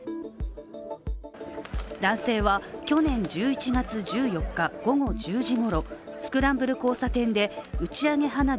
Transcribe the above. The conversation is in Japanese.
男性は去年１１月１４日、午後１０時ごろスクランブル交差点で打ち上げ花火